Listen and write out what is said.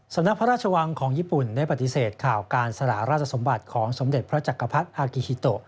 สำนักพระราชวังของญี่ปุ่นได้ปฏิเสธข่าวการสละราชสมบัติของสมเด็จพระจักรพรรดิอากิฮิโต